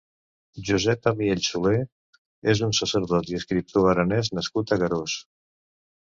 Jusèp Amiell Solè és un sacerdot i escriptor aranès nascut a Garòs.